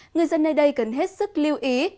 người dân nơi đây cần hết sức lưu ý